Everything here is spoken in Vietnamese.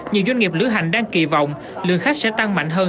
nhiều doanh nghiệp lưu hành đang kỳ vọng lượng khách sẽ tăng mạnh hơn